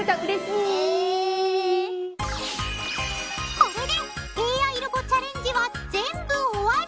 これでＡＩロボチャレンジは全部おわり。